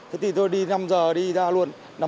thế thì tôi đi năm giờ đi ra luôn